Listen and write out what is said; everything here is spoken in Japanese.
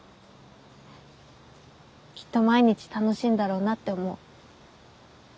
きっと毎日楽しいんだろうなって思う。